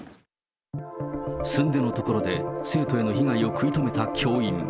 すんでのところで生徒への被害を食い止めた教員。